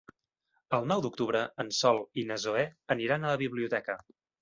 El nou d'octubre en Sol i na Zoè aniran a la biblioteca.